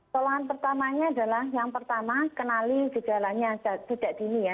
tolongan pertamanya adalah yang pertama kenali gejalanya tidak dini ya